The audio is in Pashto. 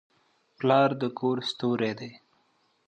پلار د کور ستوری دی.